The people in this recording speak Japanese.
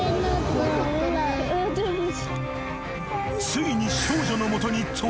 ［ついに］